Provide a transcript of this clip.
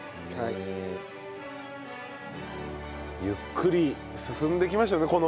ゆっくり進んできましたよね